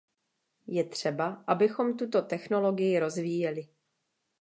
Je třeba, abychom tuto technologii rozvíjeli.